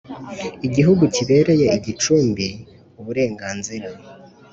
gihugu kibereye igicumbi uburenganzira